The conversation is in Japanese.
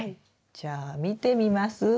じゃあ見てみます？